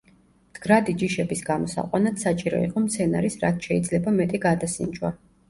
მდგრადი ჯიშების გამოსაყვანად საჭირო იყო მცენარის რაც შეიძლება მეტი გადასინჯვა.